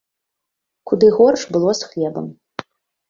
Куды горш было з хлебам.